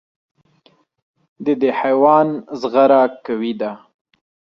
د دې حیوان زغره قوي ده.